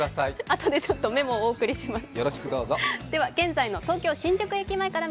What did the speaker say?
あとでちょっとメモをお送りします。